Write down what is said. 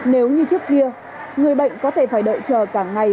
nếu như trước kia người bệnh có thể phải đợi chờ cả ngày